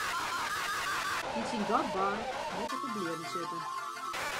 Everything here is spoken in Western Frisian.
Dy't syn gat baarnt, moat op 'e blierren sitte.